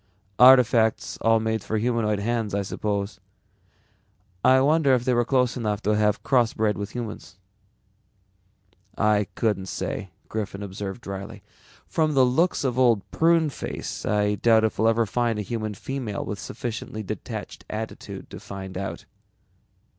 "Artifacts all made for humanoid hands I suppose. I wonder if they were close enough to have crossbred with humans." "I couldn't say," Griffin observed dryly. "From the looks of Old Pruneface I doubt if we'll ever find a human female with sufficiently detached attitude to find out."